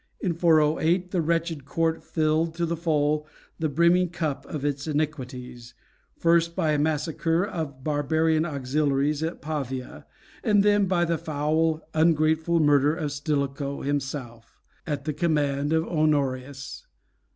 In 408 the wretched court filled to the full the brimming cup of its iniquities first by a massacre of barbarian auxiliaries at Pavia, and then by the foul, ungrateful murder of Stilicho himself, at the command of Honorius.